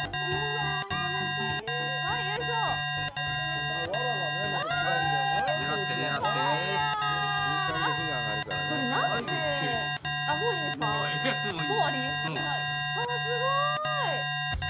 わあ、すごい。